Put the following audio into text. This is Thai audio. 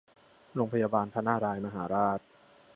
โรงพยาบาลพระนารายณ์มหาราช